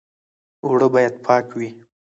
اوړه باید پاک وي